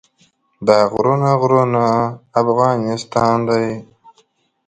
دا غرونه غرونه افغانستان دی.